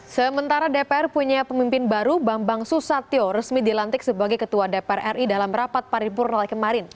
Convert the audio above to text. sementara dpr punya pemimpin baru bambang susatyo resmi dilantik sebagai ketua dpr ri dalam rapat paripurna kemarin